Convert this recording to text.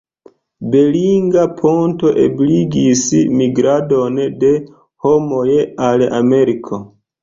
Beringa ponto ebligis migradon de homoj al Ameriko.